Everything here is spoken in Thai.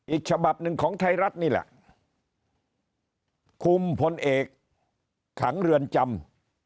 อีกฉบับหนึ่งของไทยรัฐนี่แหละคุมพลเอกขังเรือนจำ